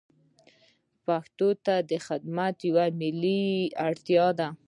پښتو ته خدمت یوه ملي اړتیا ده.